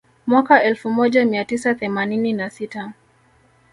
Mwaka elfu moja mia tisa themanini na sita